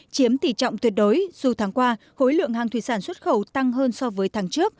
chiếm tỷ trọng tuyệt đối dù tháng qua khối lượng hàng thủy sản xuất khẩu tăng hơn so với tháng trước